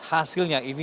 hasilnya ini yang